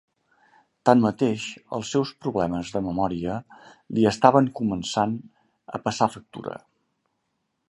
Tanmateix, els seus problemes de memòria li estaven començant a passar factura.